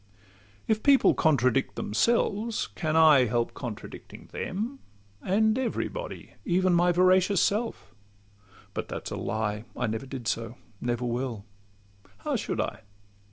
If people contradict themselves, can I Help contradicting them, and every body, Even my veracious self?—But that 's a lie: I never did so, never will—how should I?